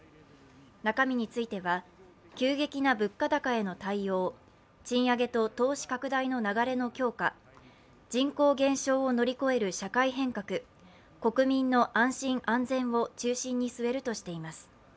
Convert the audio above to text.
中身については、急激な物価高への対応、賃上げと投資拡大の流れの強化、人口減少を乗り越える社会変革、国民の安心・安全を中心に据えるとしています。